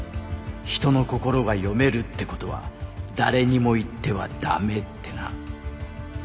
「人の心が読めるってことは誰にも言ってはダメ」ってな。